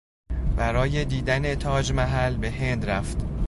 برای دیدن تاج محل به هند رفت.